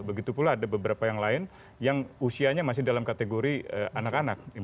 begitu pula ada beberapa yang lain yang usianya masih dalam kategori anak anak